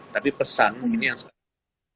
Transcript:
tapi pesan ini yang sangat penting